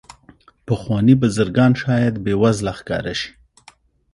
پخواني بزګران شاید بې وزله ښکاره شي.